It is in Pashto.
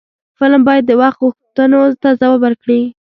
فلم باید د وخت غوښتنو ته ځواب ورکړي